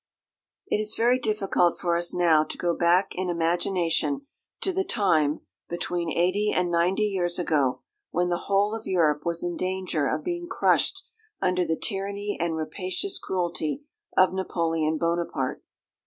IT is very difficult for us now to go back in imagination to the time, between eighty and ninety years ago, when the whole of Europe was in danger of being crushed under the tyranny and rapacious cruelty of Napoleon Buonaparte.